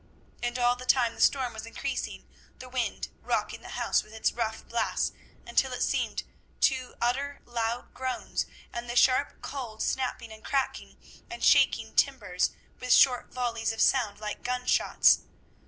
And all the time the storm was increasing, the wind rocking the house with its rough blasts, until it seemed to utter loud groans, and the sharp cold snapping and cracking the shaking timbers with short volleys of sound like gun shots.